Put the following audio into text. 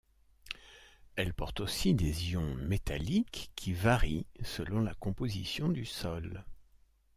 Elle porte aussi des ions métalliques, qui varient selon la composition du sol.